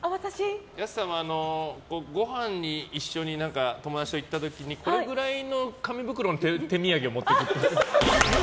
安さんはごはんに一緒に友達と行った時にこれぐらいの紙袋の手土産を持ってく。